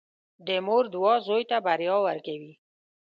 • د مور دعا زوی ته بریا ورکوي.